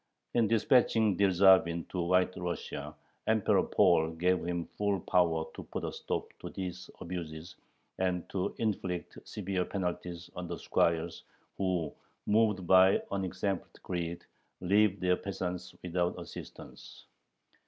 In dispatching Dyerzhavin to White Russia, Emperor Paul gave him full power to put a stop to these abuses and to inflict severe penalties on the squires, who, "moved by unexampled greed, leave their peasants without assistance."